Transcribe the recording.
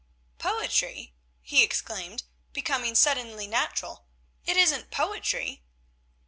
"Poetry!" he exclaimed, becoming suddenly natural, "it isn't poetry."